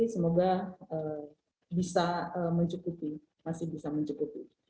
semoga bisa mencukupi masih bisa mencukupi